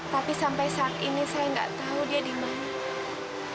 tapi sampai saat ini saya gak tahu dia dimana